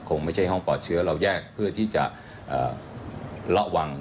คงไม่ใช่ห้องปลอดเชื้อเราแยกเพื่อที่จะระวัง